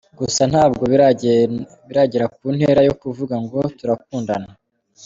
Gusa ntabwo biragera kuntera yokuvuga ngo turakundana.